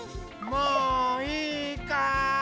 もういいかい？